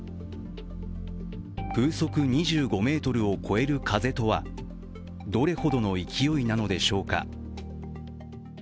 風速２５メートルを超える風とはどれほどの勢いなのでしょうか。